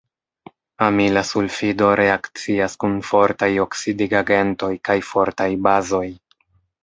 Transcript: Amila sulfido reakcias kun fortaj oksidigagentoj kaj fortaj bazoj.